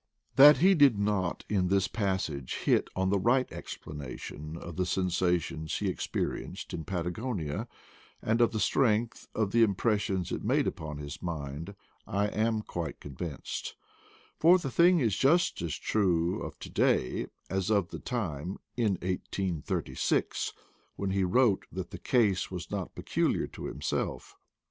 That he did not in this passage hit on the right explanation of the sensations he experienced in Patagonia, and of the strength of the impressions it made on his mind, I am quite convinced; for the thing is just as true of to day as of the time, in 1836, when he wrote that the case was not peculiar to himself.